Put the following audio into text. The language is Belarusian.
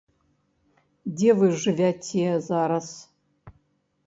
Дзе вы жывяце зараз?